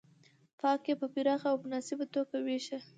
واک یې په پراخه او مناسبه توګه وېشه